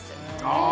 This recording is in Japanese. あ